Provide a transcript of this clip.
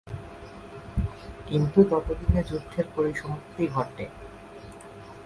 কিন্তু ততদিনে যুদ্ধের পরিসমাপ্তি ঘটে।